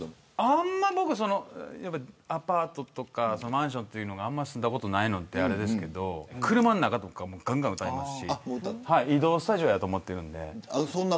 あんまりアパートとかマンションというのに住んだことないのであれですけど車の中とか、がんがん歌いますし移動スタジオやと思っているので。